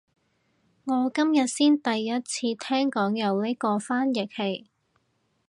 我今日先第一次聽講有呢個翻譯器